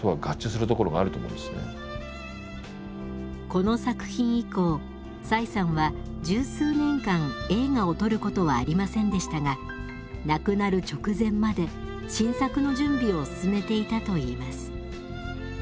この作品以降崔さんは十数年間映画を撮ることはありませんでしたが亡くなる直前まで新作の準備を進めていたといいます。